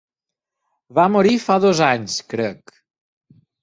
Va morir fa dos anys, crec.